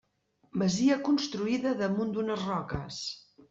Masia construïda damunt d'unes roques.